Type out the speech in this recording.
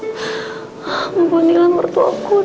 bimbunin w reception suamiku ya allah